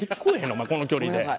お前この距離で。